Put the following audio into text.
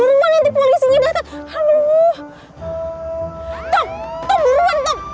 buruan nanti polisinya datang